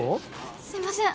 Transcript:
すいません。